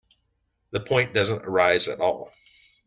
The point doesn't arise at all.